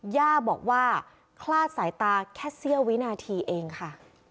ย่าบอกว่าคลาดสายตาแค่เสี้ยววินาทีเองค่ะ